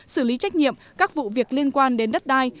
xử lý trách nhiệm các vụ việc liên quan đến đất đai